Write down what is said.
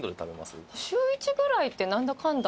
週１ぐらいなんだかんだ